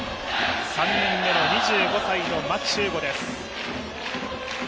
３年目の２５歳の牧秀悟です。